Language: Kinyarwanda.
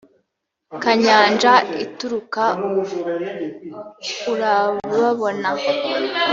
kunyanja itukura urababona.